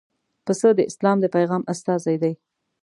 پسه د اسلام د پیغام استازی دی.